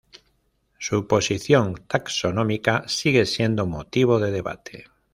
Su posición taxonómica sigue siendo motivo de debate.